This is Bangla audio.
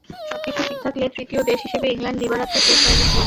সবকিছু ঠিক থাকলে তৃতীয় দেশ হিসেবে ইংল্যান্ড দিবারাত্রির টেস্ট আয়োজন করবে।